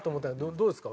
どうですか？